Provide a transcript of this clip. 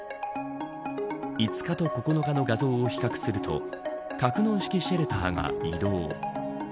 ５日と９日の画像を比較すると格納式シェルターが移動。